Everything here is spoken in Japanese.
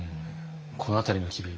この辺りの機微。